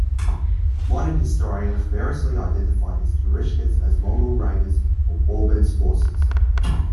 Modern historians variously identify these Turushkas as Mongol raiders or Balban's forces.